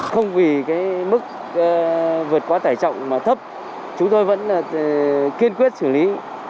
không vì cái mức vượt quá tải trọng mà thấp chúng tôi vẫn kiên quyết xử lý